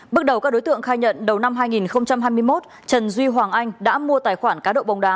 bước đầu các đối tượng khai nhận đầu năm hai nghìn hai mươi một trần duy hoàng anh đã mua tài khoản cá độ bóng đá